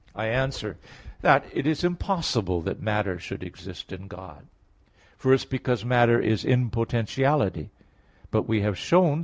I answer that, It is impossible that matter should exist in God. First, because matter is in potentiality. But we have shown (Q. 2, A.